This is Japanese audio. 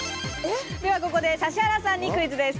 ここで指原さんにクイズです。